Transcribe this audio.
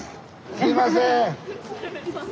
すいません！